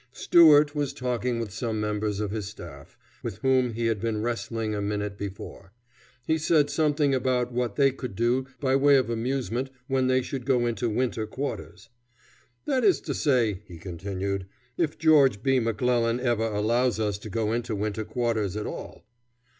Stuart was talking with some members of his staff, with whom he had been wrestling a minute before. He said something about what they could do by way of amusement when they should go into winter quarters. "That is to say," he continued, "if George B. McClellan ever allows us to go into winter quarters at all."